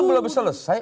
itu belum selesai